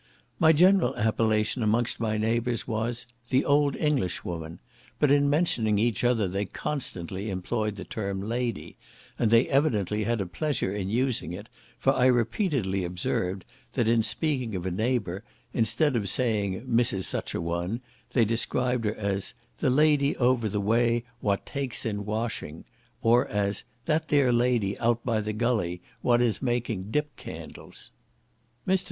My general appellation amongst my neighbours was "the English old woman," but in mentioning each other they constantly employed the term "lady;" and they evidently had a pleasure in using it, for I repeatedly observed, that in speaking of a neighbour, instead of saying Mrs. Such a one, they described her as "the lady over the way what takes in washing," or as "that there lady, out by the Gulley, what is making dip candles." Mr.